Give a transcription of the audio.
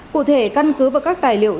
cụ thể căn cứ và các tài liệu